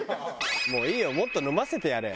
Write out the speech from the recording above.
もういいよもっと飲ませてやれ。